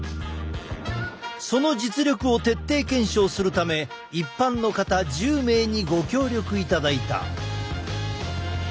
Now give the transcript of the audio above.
その実力を徹底検証するため一般の方１０名にご協力いただいた。